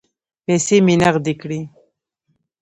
پیسې مې نغدې کړې.